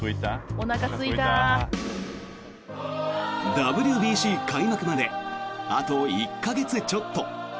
ＷＢＣ開幕まであと１か月ちょっと。